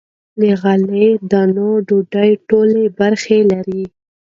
له غلې- دانو ډوډۍ ټولې برخې لري.